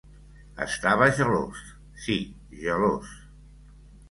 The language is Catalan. Estava gelós - sí, gelós.